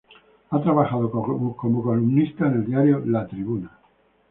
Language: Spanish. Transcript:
Ha trabajado como columnista en el diario La Tribuna.